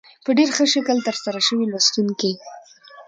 په ډېر ښه شکل تر سره شوې لوستونکي